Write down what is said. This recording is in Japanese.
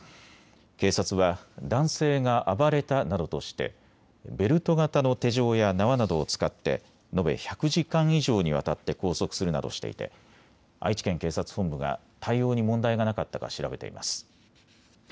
警察は男性が暴れたなどとしてベルト型の手錠や縄などを使って延べ１００時間以上にわたって拘束するなどしていて愛知県警察本部が対応に問題がなかったか調べています。